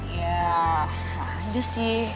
ya ada sih